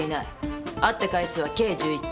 会った回数は計１１回。